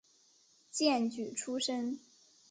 荐举出身。